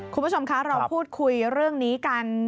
คุณผู้ชมคะเราพูดคุยเรื่องนี้กัน